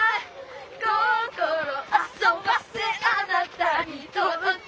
「心遊ばせあなたにとどけ」